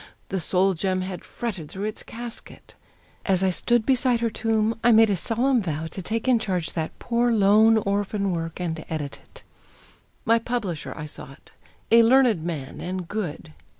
The soul gem Had fretted through its casket! As I stood Beside her tomb, I made a solemn vow To take in charge that poor, lone orphan work, And edit it! My publisher I sought, A learned man and good.